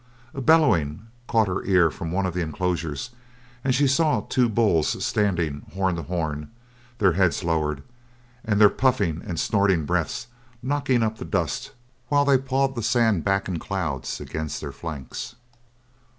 A bellowing caught her ear from one of the enclosures and she saw two bulls standing horn to horn, their heads lowered, and their puffing and snorting breaths knocking up the dust while they pawed the sand back in clouds against their flanks.